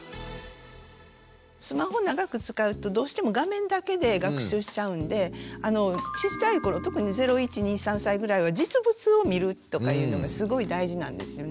スマホを長く使うとどうしても画面だけで学習しちゃうんで小さい頃特に０１２３歳ぐらいは実物を見るとかいうのがすごい大事なんですよね。